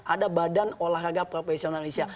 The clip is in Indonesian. ada badan olahraga profesional indonesia